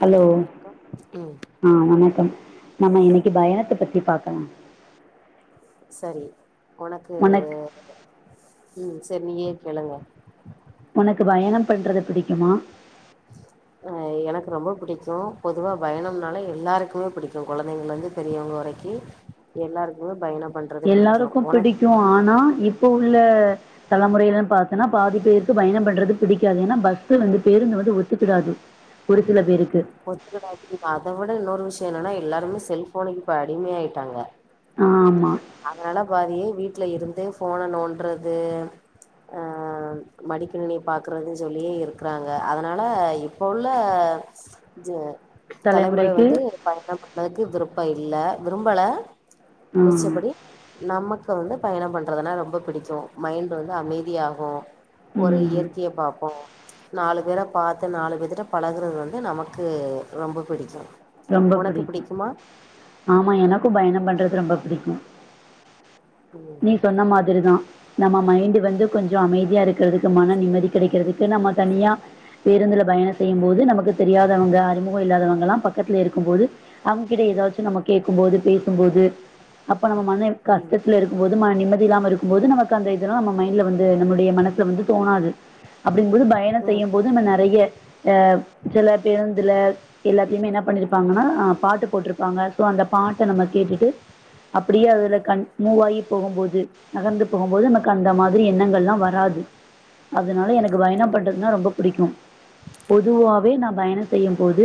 Hello வணக்கம் ம் ஆ வணக்கம் நம்ம இன்னைக்கு பயணத்தை பத்தி பாக்கலா சரி உனக்கு, உனக் ம் சரி நீயே கேளுங்க உனக்கு பயணம் பண்றது பிடிக்குமா அ எனக்கு ரொம்ப புடிக்கு பொதுவா பயணம்னாலே எல்லாருக்குமே புடிக்கு கொழந்தைங்கல்லேந்து பெரியவங்க வரைக்கு எல்லாருக்குமே பயணம் பண்றது பிடிக்கு எல்லாருக்கு பிடிக்கு உனக்கு ஆனா இப்போ உள்ள தலைமுறையிலன்னு பாத்தேன்னா பாதி பேருக்கு பயணம் பண்றது பிடிக்காது ஏன்னா பஸ் வந்து பேருந்து வந்து ஒத்துக்கிடாது ஒரு சில பேருக்கு ஒத்துக்கிடாது அதை விட இன்னொரு விஷயம் என்னன்னா எல்லாருமே செல்போனுக்கு இப்ப அடிமை ஆயிட்டாங்க ஆமா அதனால பாதி வீட்ல இருந்தே ஃபோன நோன்றது ஆ மடிக்கிணினி பாக்குறதுன்னு சொல்லியே இருக்கிறாங்க அதனால இப்ப உள்ள ஜெ தலைமுறை தலைமுறைக்கு வந்து பயணப்பண்ணதுக்கு விருப்பம் இல்ல விரும்பல ஆ மிச்சப்படி நமக்கு வந்து பயணம் பண்றதுனா ரொம்ப பிடிக்கு மைண்ட் வந்து அமைதியாகு ஒரு ம் இயற்கைய பாப்போ, நாலு பேர பாத்து நாலு பேத்துட்ட பழகுறது வந்து நமக் கு ரொம்ப பிடிக்கு ரொம்ப உனக்கு பிடிக்கு, பிடிக்குமா ஆமா எனக்கும் பயணம் பண்றது ரொம்ப பிடிக்கு நீ சொன்ன மாதிரிதா நம்ம மைண்ட் வந்து கொஞ்சோ அமைதியா இருக்கிறதுக்கு மன நிம்மதி கெடைக்கிறதுக்கு நம்ம தனியா பேருந்துல பயணம் செய்யும் போது நமக்கு தெரியாதவங்க அறிமுகம் இல்லாதவங்க எல்லா பக்கத்துல இருக்கும்போது அவங்ககிட்ட ஏதாச்சு நம்ம கேட்கும் போது பேசும்போது அப்ப நம்ம மன ம் கஷ்டத்துல இருக் கும்போது மன நிம்மதி இல்லாம இருக்கும்போது நமக்கு அந்த இதெல்லா நம்ம மைண்ட்ல வந்து நம்மடைய மனசல வந்து தோணாது அப்டிங்கும்போது பயண செய்யும் போது நம்ம நறைய ஆ சில பேருந்துல எல்லாத்தையுமே என்ன பண்ணிருப்பாங்கனா அ பாட்டு போட்டுருப்பாங்க சோ அந்த பாட்ட நம்ம கேட்டுட்டு அப்படியே அதுல கண் மூவாயி போகும்போது நகர்ந்து போகும்போது எனக்கு அந்த மாதிரி எண்ணங்கள்லா வராது அதனால எனக் கு பயணம் பண்றதுன்னா ரொம்ப பிடிக்கு பொதுவாவே நா பயணம் செய்யும்போது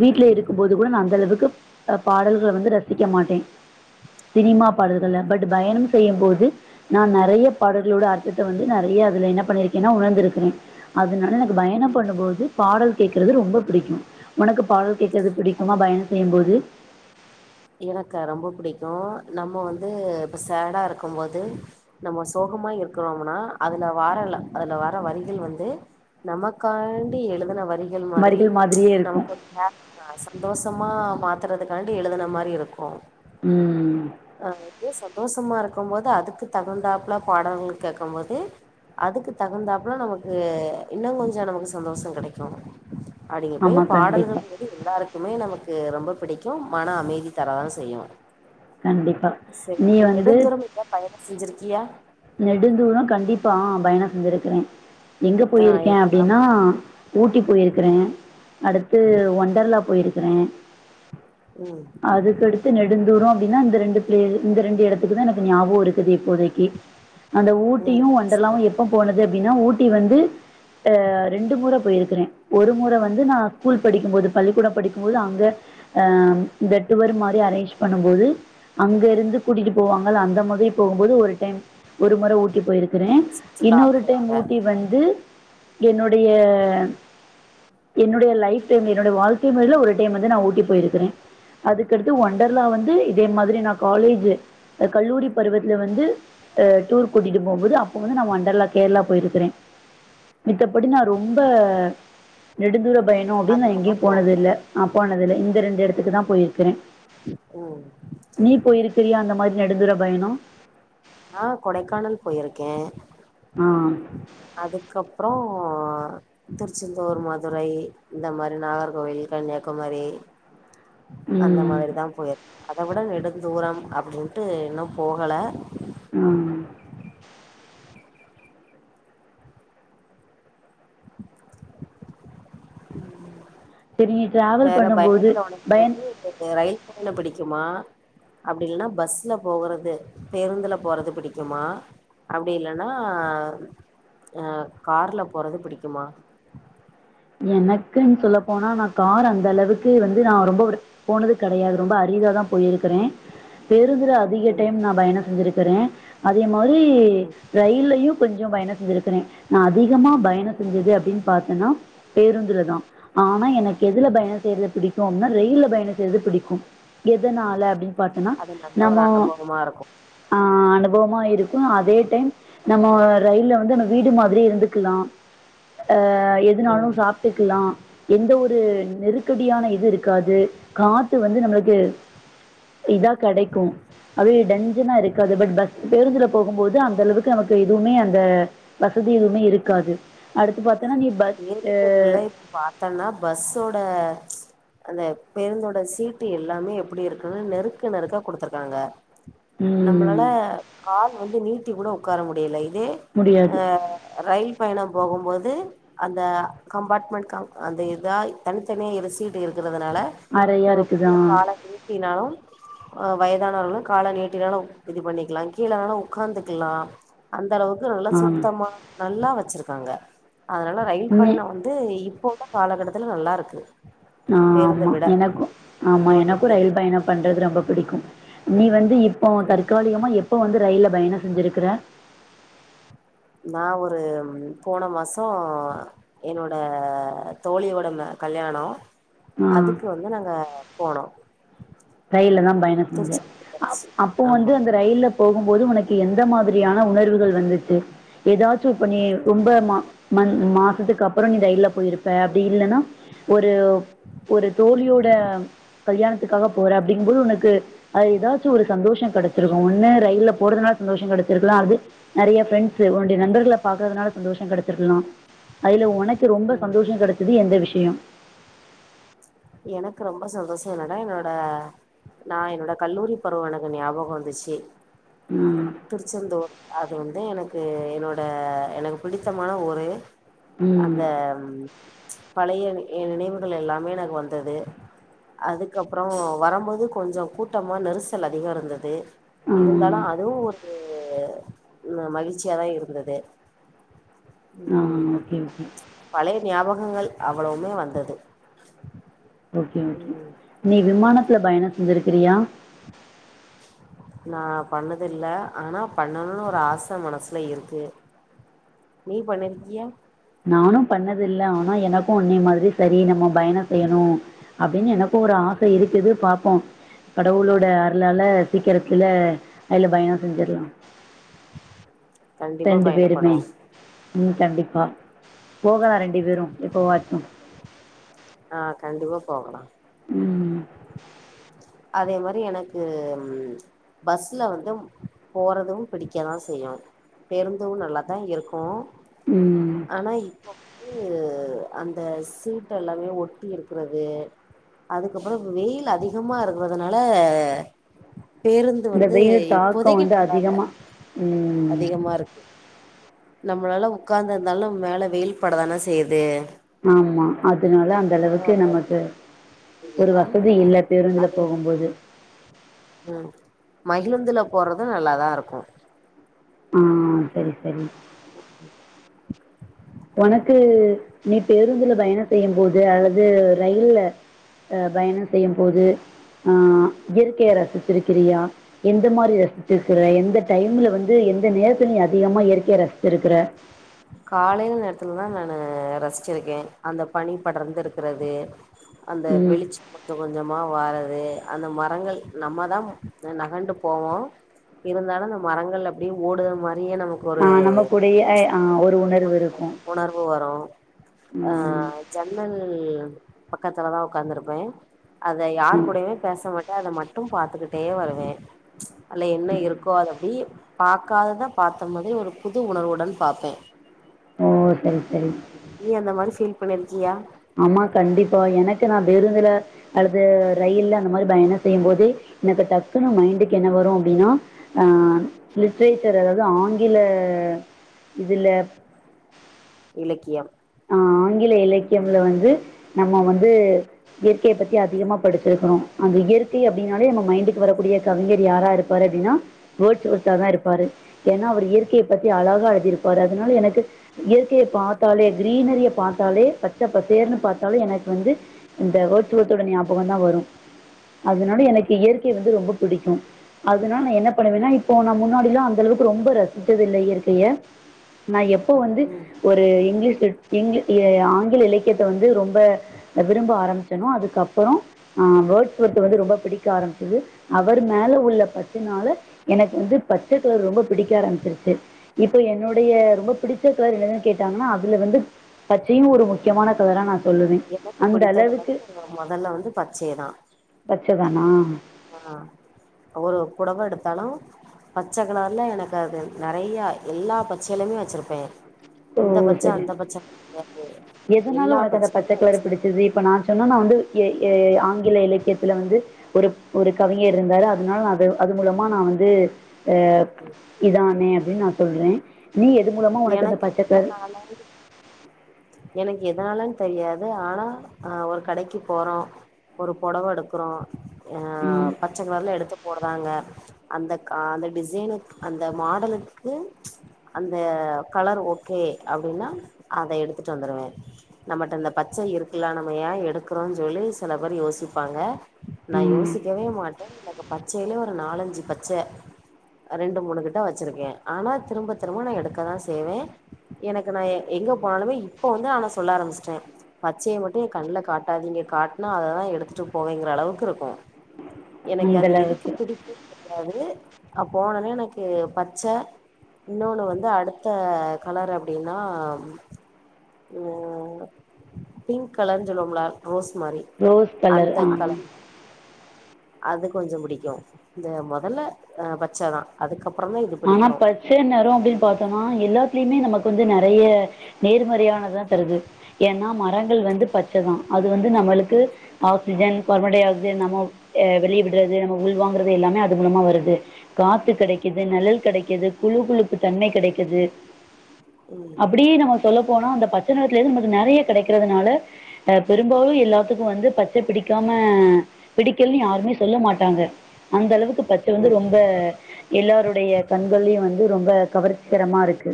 வீட்ல இருக்கும்போது கூட நா அந்த அளவுக்கு அ பாடல்கள வந்து ரசிக்க மாட்டே சினிமா பாடல்கள்ல பட் பயணம் செய்யும் போது நா நறைய பாடல்களோட அர்த்தத்த வந்து நறைய அதுல என்ன பண்ணிருக்கேன்னா உணர்ந்திருக்கே அதனால எனக்கு பயண பண்ணும்போது பாடல் கேட்கறது ரொம்ப பிடிக்கு உனக்கு பாடல் கேக்கறது பிடிக்குமா அது பயணம் செய்யும்போது எனக்கு ரொம்ப பிடிக்கு நம்ம வந்து இப்ப சேடா இருக்கும் போது நம்ம சோகமா இருக்கிறோம்னா அதுல வார அதுல வர வரிகள் வந்து நமக்காண்டி எழுதுன வரி கள் மாதிரி வரிகள் மாதிரியே இருக்கும் நமக்கு ஒரு ஹாப்பியா சந்தோஷமா மாத்துறதுக்காண்டி எழுதன மாதி ரி இருக்கு ம் அ இதே சந்தோஷமா இருக்கும்போது அதுக்கு தகுந்தாப்போல பாடல்கள் கேக்கும்போது அதுக்கு தகுந்தாப்போல நமக்கு இன்னு கொஞ்ச நமக்கு சந்தோஷம் கெடைக்கு அப்படிங்க போய் ஆமா, கண்டிப்பா, பாடல்கள் எல்லாருக்குமே நமக்கு ரொம்ப பிடிக்கும் மன அமைதி தர தான் செய்யும் கண்டிப்பா நீங்க வந்து பையனோ செஞ்சிருக்கியா நெடுதூரோ கண்டிப்பா ம் பயணோ செஞ்சிருக்கேன் எங்க ஆ போயிருக்கேன் எங்கெல்லா அப்டின்னா ஊட்டி போயிருக்றேன் அடுத்து ஒண்டர்லா போயிருக்றேன் ம் அதுக்கடுத்து நெ ந்தூரம் அப்டின்னா இந்த ரெண்டு இந்த ரெண்டு எடத்துக்கு தான் எனக்கு ஞாபகம் இருக்குது இப்போதைக்கு அந்த ம் ஊட்டியும் சரி ஒன்றர்லாவும் எப்ப போனது அப்டின்னா ஊட்டி வந்து ரெண்டு முற போயிருக்றேன் ஒரு முறை வந்து நான் ஸ்கூல் படிக்கும்போது பள்ளிக்கூடம் படிக்கும்போது அங்க அ இந்த ட்டுவர் மாதிரி அரேஞ்ச் பண்ணும்போது அங்கிருந்து கூட்டிட்டு போவாங்கல அந்த மாதிரி போகும்போது ஒரு டைம் ஒரு முறை ஊட்டி போயிருக்றேன் சுற்றுலா இன்னொரு டைம் போயிருக்க ஊட்டி வந்து என்னோடைய என்னோடைய லைப் டைம்ல என்னோடைய வாழ்க்கை முயல ஒரு டைம் வந்து நான் ஊட்டி போயிருக்றேன் அதுக்கடுத்து ஒண்டர்லா வந்து இதே மாதிரி நான் காலேஜ் கல்லூரி பருவத்துல வந்து டூர் கூட்டிட்டு போகும்போது அப்ப வந்து ந ஒண்டர்லா கேர்ளா போயிருக்றேன் மத்தபடி நான் ரொம்ப நெடுந்தூர பயணம் அப்டின்னு நான் அதிகமா எங்கேயும் போனது போகல இல்ல நான் போனது இல்ல இந்த ரெண்டு எடத்துக்கு தான் போயிருக்றேன் ம் நீ போயிருக்றியா அந்த மாதிரி நெடடுந்தூர பயணம் ஆ கொடைக்கானல் போயிருக்கேன் ஆ அதுக்கப்றோ திருச்செந்தூர் மதுரை இந்த மாதிரி நாகர்கோவில் கன்னியாகுமரி அந்த ம். மாதிரிதான் போய் அத விட நெடு தூரம் அப்டின்ட்டு இன்னும் போகல ம் தெரிதா வேற பயணத்துல உனக்கு வந்து உங்க ரயில் பயணோ புடிக்குமா அப்டி இல்னா பஸ்ல போறது பேருந்துல போறது புடிக்குமா அப்டி இல்லன்னா அ கார்ல போறது புடிக்குமா எனக்குன்னு சொல்ல போனா நான் கார் அந்த அளவுக்கு வந்து நான் ரொம்ப போனது கெடையாது ரொம்ப அரிதா தான் போயிருக்றேன் பேருந்துல அதிக ம் டைம் நான் பயணம் செஞ்சிருக்றேன் அதே மாரி ரயில்லையும் கொஞ்சம் பயணம் செஞ்சிருக்றேன் நான் அதிகமா பயணம் செஞ்சது அப்டின்னு பாத்தேன்னா பேருந்துல தான் ஆனா எனக்கு எதுல பயணம் செய்றது புடிக்கும் அப்டினா ரெயில்ல பயண செய் றது புடிக்கும் எதனால அப்டின்னு பாத்தோன்னா அது நல்ல நம்ம ஒரு அனுபவமா இருக்கு ஆ அனுபவமா இருக்கும் அதே டைம் நம்ம ரெயில்ல வந்து நம்ம வீடு மாதிரி இருந்துக்கலாம் அ ம் எதுனாலும் கத்தக்கலாம் எந்த ஒரு நெருக்கடியான இது இருக்காது காத்து வந்து நம்ம இதா கெடைக்கும் அப்டியே டஞ்சனா இருக்காது பட் பஸ் பேருந்துல போகும்போது அந்த அளவுக்கு நமக்கு எதுவுமே அந்த வசதியுமே இருக்காது அடுத்து பாத்தன்னே நீ பஸ் ஏரி பேருல்லாம் ஆ இப்ப பாத்தோன்னா பஸ்ஸோட அந்த பேருந்தோட சீட்டு எல்லாமே எப்டி இருக்குனா நெருக்க நெருக்க குடுத்துருக்காங்க ம் நம்மளால கால் வந்து நீட்டி கூட உக்கார முடில இதே முடியாது அ ரயில் பயணம் போகும்போது அந்த கம்பார்ட்மெண்ட் காம் அந்த இதா தனித்தனியாக இரிசிட்டு இருக்கிறதுனால அறையா நம்ம இருக்குதா குட்டியா கால தட்டினாலு அ வயதானலு கால நீட்டினாலு இது பண்ணிக்கிலா கீழனாலு உக்காந்துக்கிலா அந்த அளவுக்கு நல்லா ஆ சுத்தமா நல்லா வச்சிருக்காங்க அதனால ரயில் மே பயணம் வந்து இப்போ உள்ள காலகட்டத்துல நல்லா இருக்கு பேருந்த ஆமா விட எனக்கு ஆமா என்னோட இது எனக்கு ரயில் பயணம் பண்றது ரொம்ப பிடிக்கும் நீ வந்துப் இப்போ தற்காலிகமா எப்போ வந்து ரயில் பயணோ செஞ்சிருக்கற நா ஒரு போன மாசோ என்னோட தோழியோட ம கல்யாணோ ஆ. அதுக்கு வந்து நாங்க போனோ ரயில்ல தா பயண செஞ்ச திருச்சி அப் திருச்சி அப்போ வந்து ஆமா அந்த ரயில்ல போகும்போது உனக்கு எந்த மாதிரியான உணர்வுகள் வந்துச்சி ஏதாச்சு இப்ப நீ ரொம்ப மா மந் மாசத்துக்கு அப்புரோ நீ டையில போயிருப்ப அப்டி இல்லனா ஒரு ஓப் ஒரு தோழியோட கல்யாணத்துக்காக போற அப்டிங்கும்போது உனக்கு அது ஏதாச்சும் ஒரு சந்தோஷ கெடைச்சிருக்கு ஒன்னு ரயில்ல போறதுனால சந்தோஷ கெடைச்சிருக்கலா அது நறைய பிரண்ட்ஸ் உன்னடைய நண்பர்கள பாக்கறதுனால சந்தோஷ கெடைச்சிருக்கலா அதுல உனக்கு ரொம்ப சந்தோஷ கெடச் இது எந்த விஷ்யம் எனக்கு ரொம்ப சந்தோஷ என்னடா என்னோட நா என்னோட கல்லூரி பருவோ ஞாபகம் வந்துச்சி ம் திருச்செந்தூர் அது வந்து எனக்கு என்னோட எனக்கு பிடித்தமான ஒரு ம் அந்தம் பழய ஏ நினைவுகள் எல்லாமே எனக்கு வந்தது அதுக் அப்ரோ வரம்போது கொஞ்ச கூட்டமா நெரிசல் அதிகோ இருந்தது இருந்தாலு ஆ அதுவு ஒரு உம் மகிழ்ச்சியாதா இருந்தது ஆன் ஓகே ஓகே பழய ஞாபகங்கள் அவ்ளவுமே வந்தது ஓகே ஓகே நீ விமானத்ல பயணோ செஞ்சிருக்கிறியா நா பண்ணது இல்ல ஆனா பண்ணணுன்னு ஒரு ஆச மனசுல இருக்கு நீ பண்ணிருக்கியா நானு பண்ணது இல்ல ஆனா எனக்கு உன்னே மாதிரி சரி நம்மோ பயணம் செய்யணு அப்டின்னு எனக் கு ஒரு ஆச இருக்குது பாப்போ கடவுளோட அருளால சீக்கர தில்ல அதுல பயணோ செஞ்சிற்லா கண்டிப்பா டெண்டு பயணம் பேருமே பண்ணுவோ ம் கண்டிப்பா போகலா ரெண்டு பேரு எப்பவாச்சு ஆ கண்டிப்பா போகளா ம் அதே மாதிரி எனக்கு ம் பஸ்ல வந்து போறதும் பிடிக்க தா செய்யு பேருந்து நல்ல தா இருக்கு ம் ஆனா இப்ப வந்து அந்த சீட் எல்லாமே ஒட்டி இருக்கறது அதுக்கு அப்ரோ வெ வெயில் அதிகமா இருக்கறதுனால பேருந்து இந்த வந்து வெயில் தாக்கம் இப்போதைக்கு வந்து நல்லா இல்ல அதிகமா ம் அதிகமா இருக்கு நம்மளால உக்காந்து இருந்தாலு மேல வெயில் பட தான செய்யுது ஆமா அதனால அந்தளவுக்கு நமக்கு இல்ல ஒரு வசதி இல்ல பேருந்துல அது போகும்போது ம் மகிழுந்துல போறது நல்லாதா இருக்கு ம் செரி செரி [unintelligible] உனக்கு நீ பேருந்துல பயணம் செய்யும் போது அல்லது ரயில்ல அ பயணம் செய்யும் போது ஆ இயற்கையை ரசிச்சிருக்கிறியா எந்த மாதிரி ரசிச்சிருக்கிற எந்த டைம்ல வந்து எந்த நேரத்தில நீ அதிகமா இயற்கைய ரசிச்சிருக்குற காலைல நேரத்துல தா நானு ரசிச்சிருக்கே அந்த பனி படர்ந்திருக்கிறது [unintelligible] அந்த வெளிச் கொஞ்ச கொஞ்சமா வாரது அந்த மரங்கள் நம்மதா நகண்டு போவோ இருந்தாலு நம்ம மரங்கள் அப்டியே ஓடுற மாரியே நமக் அ நம்ம கூடயே ஆ ஒரு உணர்வு இருக்கும் உணர்வு வரு அ ம் ஜன்னல் பக்கத்துல தா உக்காந்துருப்பே அத யாரு ம் கூடமே பேச மாட்டே அத மட்டு பாத்துக்கிட்டே வருவே அல்ல என்ன இருக்கோ அத அப்டியே பாக்காதத பாத்த மாதிரி ஒரு புது உணர்வுடன் பாப்போ ஓ செரி செரி நீ அந்த மாத்ரி ஃபீல் பண்ணிருக்கியா ஆமா கண்டிப்பா எனக்கு நா பேருந்துல அல்லது ரயில் அந்த மாரி பயண செய்யும் போது எனக்கு டக்குன்னு மைண்டுக்கு என்ன வரு அப்டின்னா ஆ லிட்ரேச்சர் அதாது ஆங்கில இதுல இலக்கியம் ஆ ஆங்கில இலக்கியங்கல வந்து நம்ம வந்து இயற்கைய பத்தி அதிகமா படிச்சிருக்கோ அந்த இயற்கை அப்டின்னாலே நம்ம மைண்டுக்கு வரக்கூடிய கவிஞர் யாரா இரு ப்பாரு அப்டின்னா வேர்ட்ஸ் ஸ்மித்தா தா இருப்பாரு ஏனா அவரு இயற் கைய பத்தி அழகாக எழுதிருப்பாரு அதனால எனக்கு இயற்கைய பாத்தாலே க்ரீனரிய பாத்தாலே பச்ச பசேர்ன்னு பாத்தாலு எனக்கு வந்து இந்த வேர்ட்ஸ்வேத்தோட ஞாபகந்தா வரு அதனால எனக்கு இயற்கைய வந்து ரொம்ப பிடிக்கு அதனால நா என்ன பண்ணுவேனா இப்ப நா முன்னாடிலா அந்தளவுக்கு ரொம்ப ரசிச்சதில்ல இயற்கைய நா எப்போ வந்து ஒரு இங்கிலீஷ் லிட் இங்க்லி அ ஆங்கில இலக்கியத்த வந்து ரொம்ப விரும்ப ஆரம்பிச்சனோ அதுக்கப்பறோ ஆ வேர்ட்ஸ் வேர்த்து வந்து ரொம்ப பிடிக்க ஆரம்பிச்சது அவர் மேல உள்ள பற்றுனால எனக்கு வந்து பச்ச கலர் ரொம்ப பிடிக்க ஆரம்பிச்சிருச்சு இப்ப என்னுடைய ரொம்ப பிடிச்ச கலர் என்னதுன்னு கேட்டாங்ன்னா அதுல வந்து பச்சயு ஒரு முக்கியமான கலரா நா எனக்கு பிடித்த கலரு [inaudible] மொதல்ல வந்து பச்சைதா பச்சதானா ஆ ஒரு பொடவ எடுத்தாலு பச்ச கலர்ல எனக்கு அது நெறையா எல்லா பச்சயிலுமே வெச்சிர்ப்பே ஓ! இந்த பச்ச சரி. அந்த பச்ச [inaudible] கெடயாது எதனால ஒனக்கு அந்த பச்ச கலர்ரு பிடிச்சது இப்ப நா சொன்னனா வந்து எ எ ஆங்கில இலக்கியத்துல வந்து ஒரு ஒரு கவிஞர் இருந்தாரு அதனாலா நா அது அது மூலமா நா வந்து அ து இதானே அப்டின்னு நா சொல்றே நீ எது மூலமா ஒனக்கு அந்த எனக்கு பச்சக் [unintelligible] [unintelligible] எனக்கு எதனாலனு தெரியாது ஆனா அ ஒரு கடைக்கு போறோ ஒரு பொடவ எடுக்றோ எ ம் பச்ச கலர்ல எடுத்து போட்றாங்க அந்த க டிசைனு அந்த மாடலுக்கு இந்த கலர் ஓகே அப்டின்னா அத எடுத்துட்டு வந்துருவே நம்மட்ட இந்த பச்ச இருக்குல்ல நம்ம ஏ எடுக்றோன்னு சொல்லி சில பேரு யோசிப்பாங்க நா ம், யோசிக்கவே மாட்டே எனக்கு பச்சயிலே ஒரு நாலஞ்சி பச்ச ரெண்டு மூணு கிட்ட வச்சிருக்கே ஆனா திரும்ப திரும்போ நா எடுக்கதா செய்வே எனக்கு நா எங்க போனாலுமே இப்ப வந்து நா சொல்ல ஆரம்பிச்சிட்டே பச்சைய மட்டு ஏ கண்ணுல காட்டாதீங்க காட்னா அததா எடுத்துட்டு போவேங்றளவுக்கு இருக்கு எனக்கு அந்த அது எதுக்கு அளவுக்கு பிடிக்குனு கெடையாது நா போனோனே எனக்கு பச்ச இன்னொன்னு வந்து அ டுத்த கலர் அப்டின்னா அ பிங்க் கலர்ன்னு சொல்வோம்ள ரோஸ் மாரி ரோஸ் கலர் அந்த ஆ கலர் அது கொஞ்சொ புடிக்கு இந்த மொதல்ல அ பச்சதா அதுக்கப்பறொந்தா இது புடிக்கு சேரி நேரொ அப்டின்னு பாத்தோனா எல்லாத்திலியுமே நமக்கு வந்து நெறைய நேர்மறையான தா தருது ஏன்னா மரங்கள் வந்து பச்சதா அது வந்து நம்மளுக்கு ஆக்சிஜன் கார்பன்டை ஆக்சைடு நம்மோ ஏ வெளிய விடுறது நம்ம உள்வாங்கறது எல்லாமே அது மூலமா வருது காத்து கெடைக்குது நெழல் கெடைக்குது குளுகுளுப்பு தன்மை கெடைக்குது ம் அப்டியே நம்ம சொல்ல போனா அந்த பச்ச நெறத்துலேந்து நமக்கு நெறைய கெடைக்கிறதுனால அ பெரும்பாலு எல்லாத்துக்கு வந்து பச்சை பிடிக்காம பிடிக்கலனு யாருமே சொல்ல மாட்டாங்க அந்த அளவுக்கு பச்சை வந்து ரொம்ப எல்லாருடைய கண்கள்ளயு வந்து ரொம்ப கவர்ச்சிகரமா இருக்கு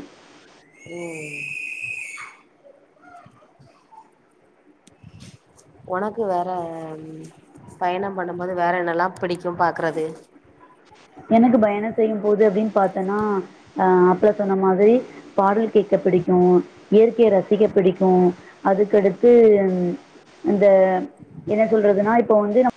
ம் ஒனக்கு வேற பயணம் பண்ணும்போது வேற என்னெல்லா பிடிக்கு பாக்குறது எனக்கு பயண செய்யுபோது அப்டின்னு பாத்தோனா ஆ அப்போல சொன்ன மாரி பாடல் கேட்க பிடிக்கு இயற்கைய ரசிக்க பிடிக்கு அதுக்கடுத்து ம் இந்த என்ன சொல்றதுனா இப்ப வந்து